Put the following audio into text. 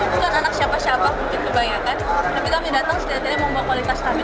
kami bukan anak siapa siapa mungkin kebanyakan tapi kami datang sederhana membawa kualitas kami